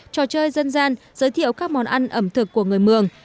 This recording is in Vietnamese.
trò chơi dân gian giới thiệu các món ăn ẩm thực của người mường